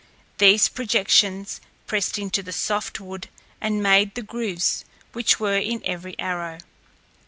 These projections pressed into the soft wood and made the grooves, which were in every arrow.